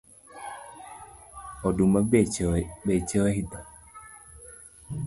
Oduma beche oidho